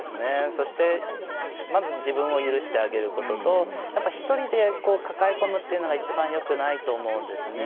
そして、まず自分を許してあげることと一人で抱え込むっていうのが一番よくないと思うんですね。